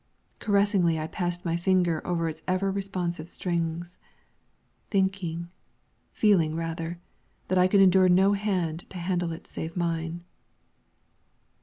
Caressingly I passed my fingers over its ever responsive strings, thinking, feeling rather, that I could endure no hand to handle it save mine!